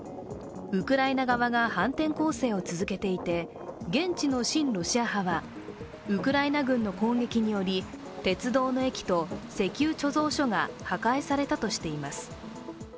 ウクライナ側が反転攻勢を続けていて、現地の親ロシア派はウクライナ軍の攻撃により鉄道の駅と石油貯蔵所が破壊されたとしています。